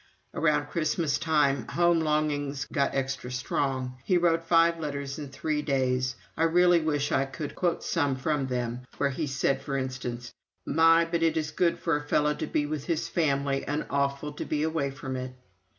Around Christmastime home longings got extra strong he wrote five letters in three days. I really wish I could quote some from them where he said for instance: "My, but it is good for a fellow to be with his family and awful to be away from it."